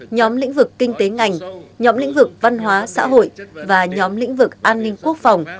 nhóm lĩnh vực kinh tế ngành nhóm lĩnh vực văn hóa xã hội và nhóm lĩnh vực an ninh quốc phòng